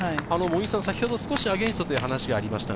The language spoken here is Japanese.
先ほど少し、アゲンストという話がありました。